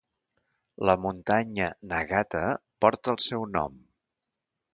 La muntanya Nagata porta el seu nom.